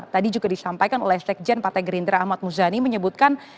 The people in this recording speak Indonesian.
tadi juga disampaikan oleh sekjen partai gerindra ahmad muzani menyebutkan